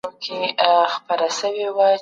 په قرعه کشي کي د هغه د استمتاع حق ثابت سو.